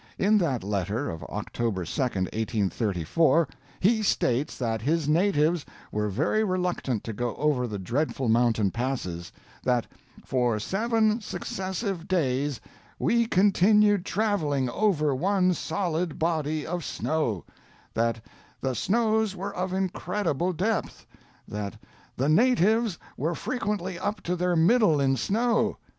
In that letter, of Oct 2, 1834, he states that his Natives were very reluctant to go over the dreadful mountain passes; that 'for seven successive days we continued traveling over one solid body of snow;' that 'the snows were of incredible depth;' that 'the Natives were frequently up to their middle in snow.'